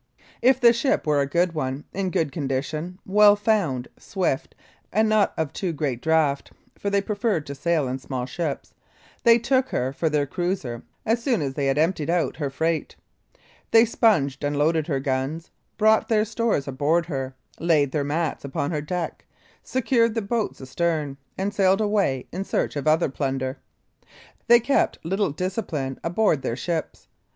If the ship were a good one, in good condition, well found, swift, and not of too great draught (for they preferred to sail in small ships), they took her for their cruiser as soon as they had emptied out her freight. They sponged and loaded her guns, brought their stores aboard her, laid their mats upon her deck, secured the boats astern, and sailed away in search of other plunder. They kept little discipline aboard their ships.